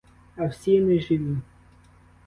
А всі — неживі.